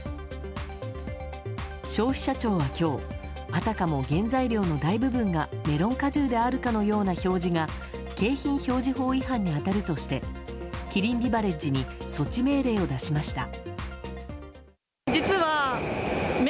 消費者庁は今日あたかも原材料の大部分がメロン果汁であるかのような表示が景品表示法違反に当たるとしてキリンビバレッジに措置命令を出しました。